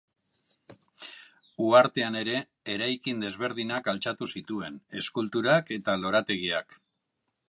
Uhartean ere eraikin desberdinak altxatu zituen, eskulturak eta lorategiak.